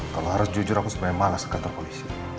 kalau harus jujur aku sebenarnya malas ke kantor polisi